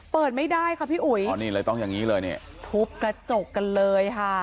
เปิดไม่ได้ค่ะพี่อุ๋ยทุบกระจกกันเลยค่ะ